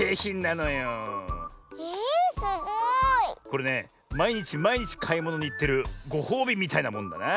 これねまいにちまいにちかいものにいってるごほうびみたいなもんだな。